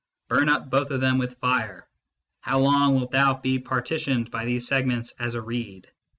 Burn up both of them with fire ! How long Wilt thou be partitioned by these segments as a reed